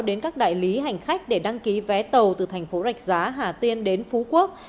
đến các đại lý hành khách để đăng ký vé tàu từ thành phố rạch giá hà tiên đến phú quốc